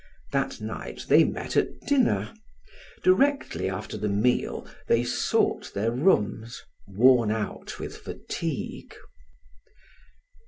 That night they met at dinner; directly after the meal they sought their rooms, worn out with fatigue.